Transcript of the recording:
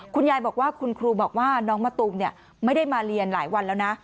คุณยายบอกว่าคุณครูบอกว่าน้องมะตูมไม่ได้มาเรียนหลายวันแล้วนะ